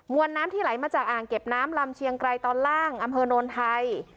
วนน้ำที่ไหลมาจากอ่างเก็บน้ำลำเชียงไกรตอนล่างอำเภอโนนไทย